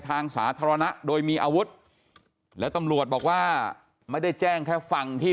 ทางสาธารณะโดยมีอาวุธแล้วตำรวจบอกว่าไม่ได้แจ้งแค่ฝั่งที่